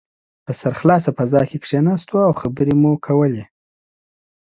په سرخلاصه فضا کې کښېناستو او خبرې مو کولې.